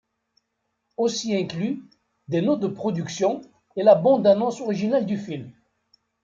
Aussi inclus, des notes de production et la bande annonce originale du film.